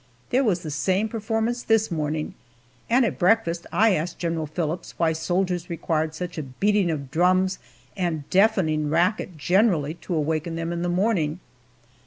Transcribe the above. There was the same performance this morning, and at breakfast I asked General Phillips why soldiers required such a beating of drums, and deafening racket generally, to awaken them in the morning.